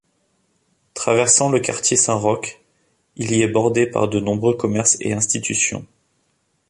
Traversant le quartier Saint-Roch, il y est bordé par de nombreux commerces et institutions.